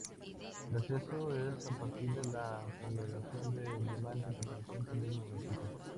El acceso es a partir de la congregación del Diamante perteneciente al mismo municipio.